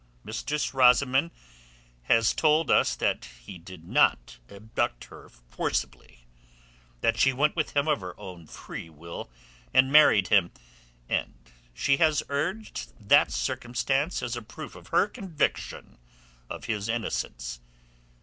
Mistress Rosamund has told us that he did not abduct her forcibly; that she went with him of her own free will and married him; and she has urged that circumstance as a proof of her conviction of his innocence.